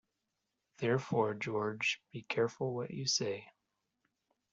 Therefore, George, be careful what you say.